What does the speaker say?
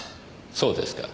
そうですか。